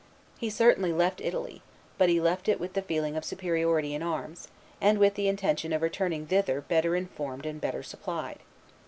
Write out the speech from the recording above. He certainly left Italy, but he left it with the feeling of superiority in arms, and with the intention of returning thither better informed and better supplied.